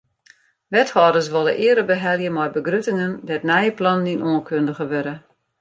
Wethâlders wolle eare behelje mei begruttingen dêr't nije plannen yn oankundige wurde.